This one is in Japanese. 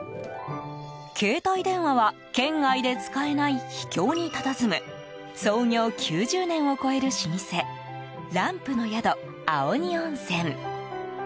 携帯電話は圏外で使えない秘境にたたずむ創業９０年を超える老舗ランプの宿青荷温泉。